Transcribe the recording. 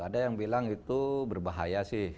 ada yang bilang itu berbahaya sih